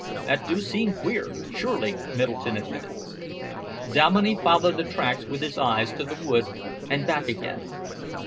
"That do seem queer, surely," Middleton admitted. Dominey followed the tracks with his eyes to the wood and back again.